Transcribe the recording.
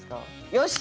よし！